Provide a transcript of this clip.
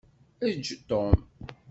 Eǧǧ Tom.